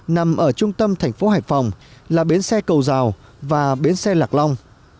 nằm ở trung tâm thành phố hải phòng là bến xe cầu rào và bến xe lạc long